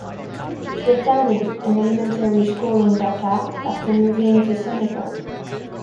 She attended an elementary school in Dakar after moving to Senegal.